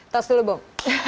tos dulu bung